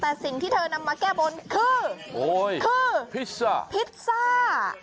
แต่สิ่งที่เธอนำมาแก้บนคือโอ้ยคือพิซซ่าพิซซ่า